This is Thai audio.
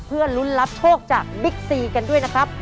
เพื่อลุ้นรับโชคจากบิ๊กซีกันด้วยนะครับ